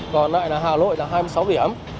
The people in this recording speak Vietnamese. còn lại là hà lội là hai mươi sáu điểm